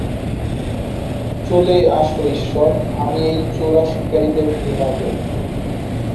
চলে আসো ঈশ্বর, আমি এই চোরা শিকারীদের ঘৃণা করি।